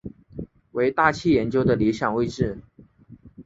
为大气研究的理想位置。